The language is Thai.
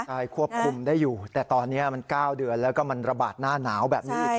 ใช่ควบคุมได้อยู่แต่ตอนนี้มัน๙เดือนแล้วก็มันระบาดหน้าหนาวแบบนี้อีก